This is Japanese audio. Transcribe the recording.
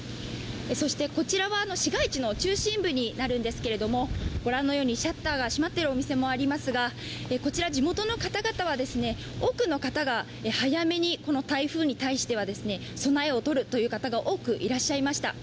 そしてこちら側は市街地の中心部になるんですけど、ご覧のようにシャッターが閉まっているお店もありますがこちら、地元の方々は多くの方が早めにこの台風に対しては、備えを取るという方が多くいらっしゃいました。